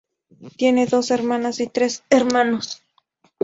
Tiene dos hermanas y tres hermanos.